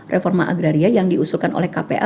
reforma agraria yang diusulkan oleh kpa